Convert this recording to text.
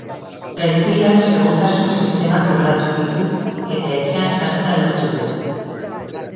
Gaizkileak segurtasun sistemak burlatu ditu eta etxean sartzea lortu du.